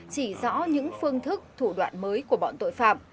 chỉ rõ những phương thức thủ đoạn mới của bọn tội phạm